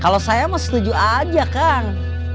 kalau saya mau setuju aja kang